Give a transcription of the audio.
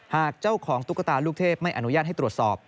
หากเจ้าของตุ๊กตาลูกเทพไม่อนุญาตให้ตรวจสอบ